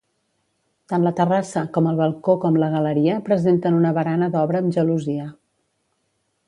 Tant la terrassa, com el balcó com la galeria presenten una barana d'obra amb gelosia.